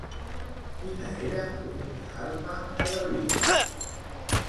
Quina era l'única arma de David?